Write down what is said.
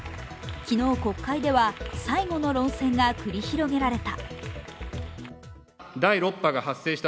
昨日、国会では最後の論戦が繰り広げられた。